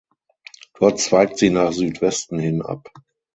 Dort zweigt sie nach Südwesten hin ab.